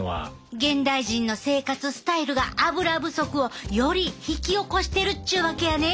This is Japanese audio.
現代人の生活スタイルがアブラ不足をより引き起こしてるっちゅうわけやね。